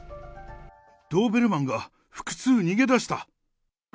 ドーベルマンが複数逃げ出した。